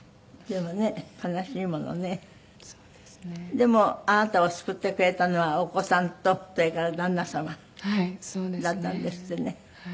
でもあなたを救ってくれたのはお子さんとそれから旦那様だったんですってね。